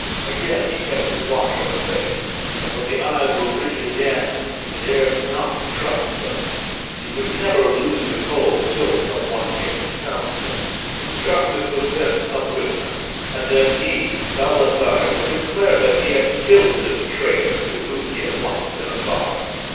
Again he kept his watch on the face. And when the eyes were rigid again, he dared not trust them. He would never lose his hold till some one came and found them. Justice would send some witness, and then he, Baldassarre, would declare that he had killed this traitor, to whom he had once been a father.